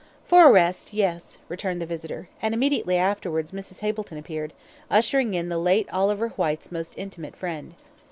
"For a rest, yes," returned the visitor, and immediately afterwards Mrs. Hableton appeared, ushering in the late Oliver Whyte's most intimate friend.